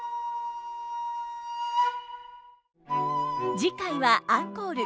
次回はアンコール。